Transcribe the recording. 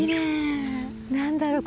何だろう。